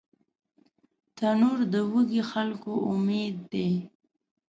تنور د وږي خلکو امید دی